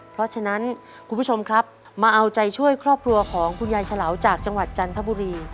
เพราะฉะนั้นคุณผู้ชมครับมาเอาใจช่วยครอบครัวของคุณยายเฉลาจากจังหวัดจันทบุรี